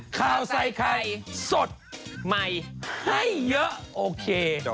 ข่าวใส่ไข่สดใหม่ให้เยอะโอเค